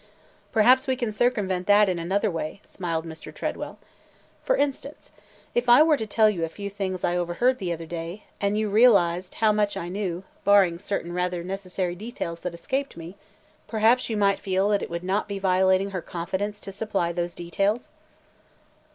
'' "Perhaps we can circumvent that in another way!" smiled Mr. Tredwell. "For instance, if I were to tell you a few things I overheard the other day, and you realized how much I knew, barring certain rather necessary details that escaped me, perhaps you" might feel that it would not be violating her confidence to supply those details?"